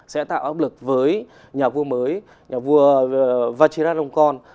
sẽ tạo áp lực với nhà vua mới nhà vua vatiratlonkon